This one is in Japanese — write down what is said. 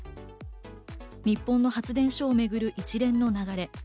日本の発電所を巡る一連の流れ。